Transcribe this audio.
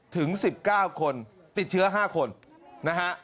ถึง๑๙คนติดเชื้อ๕คนนะฮะ